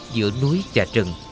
giữa núi và rừng